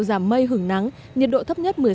giảm mây hừng nắng nhiệt độ thấp nhất